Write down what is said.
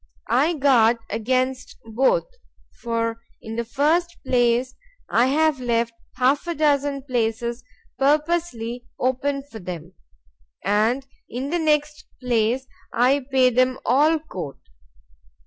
——I guard against both; for, in the first place, I have left half a dozen places purposely open for them;—and in the next place, I pay them all court.